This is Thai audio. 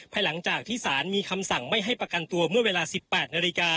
หลังจากที่สารมีคำสั่งไม่ให้ประกันตัวเมื่อเวลา๑๘นาฬิกา